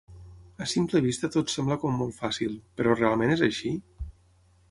A simple vista tot sembla com molt fàcil, però realment és així?